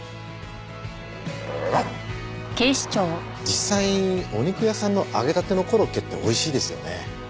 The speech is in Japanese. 実際お肉屋さんの揚げたてのコロッケって美味しいですよね。